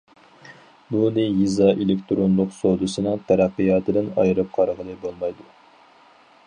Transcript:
بۇنى يېزا ئېلېكتىرونلۇق سودىسىنىڭ تەرەققىياتىدىن ئايرىپ قارىغىلى بولمايدۇ.